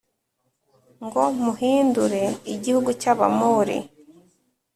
ngo muhind re igihugu cy Abamori